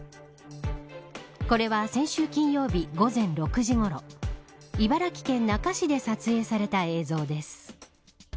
これは先週金曜日、午前６時ごろ茨城県那珂市で撮影された映像です。